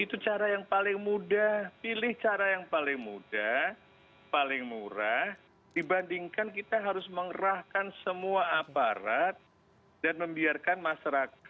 itu cara yang paling mudah pilih cara yang paling mudah paling murah dibandingkan kita harus mengerahkan semua aparat dan membiarkan masyarakat